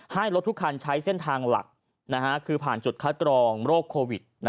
ให้รถทุกคันใช้เส้นทางหลักคือผ่านจุดคัดกรองโรคโควิด